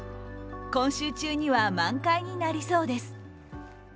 今週中には満開になりそうです。